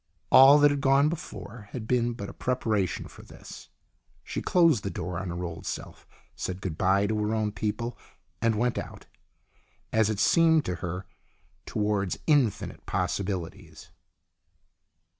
All that had gone before had been but a preparation for this. She closed the door on her old self, said good bye to her own people and went out, as it seemed to her, towards infinite possibilities.